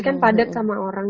kan padat sama orang